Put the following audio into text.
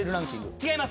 違います。